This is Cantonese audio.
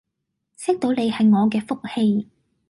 識到你係我嘅福氣